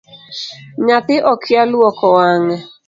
Nyathi okia luoko wange.